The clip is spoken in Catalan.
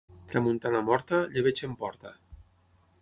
Tramuntana morta, llebeig en porta.